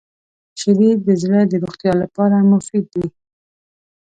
• شیدې د زړه د روغتیا لپاره مفید دي.